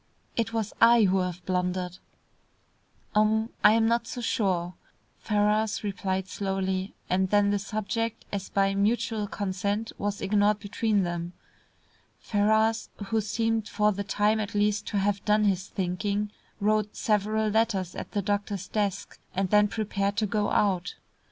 It was I who have blundered." "Um I am not so sure," Ferrars replied slowly, and then the subject as by mutual consent was ignored between them. Ferrars, who seemed for the time at least to have done his thinking, wrote several letters at the doctor's desk, and then prepared to go out.